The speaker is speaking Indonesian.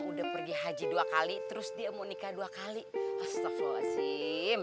hai udah pergi haji dua kali terus dia mau nikah dua kali astagfirullahaladzim